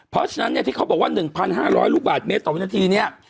เพราะฉะนั้นเนี่ยที่เขาบอกว่า๑๕๐๐ลูกบาทเมตรต่อวินาทีเนี่ย